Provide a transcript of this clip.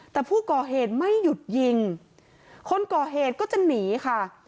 แต่ผู้ก่อเหตุไม่หยุดยิงคนก่อเหตุก็จะหนีค่ะ